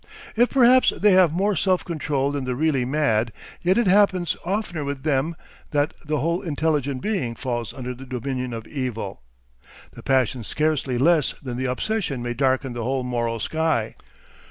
If perhaps they have more self control than the really mad, yet it happens oftener with them that the whole intelligent being falls under the dominion of evil. The passion scarcely less than the obsession may darken the whole moral sky.